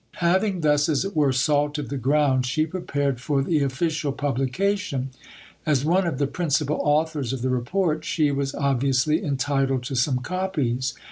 Having thus, as it were, salted the ground, she prepared for the official publication. As one of the principal authors of the Report, she was obviously entitled to some copies.